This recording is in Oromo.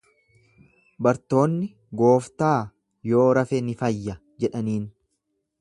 Bartoonni, Gooftaa, yoo rafe ni fayya jedhaniin.